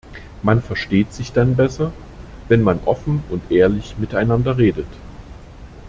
Man versteht sich dann besser, wenn man offen und ehrlich miteinander redet.